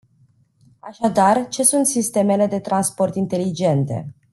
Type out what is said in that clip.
Așadar, ce sunt sistemele de transport inteligente?